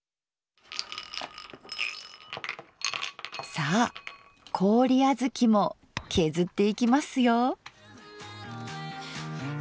さあ氷あづきも削っていきますよ！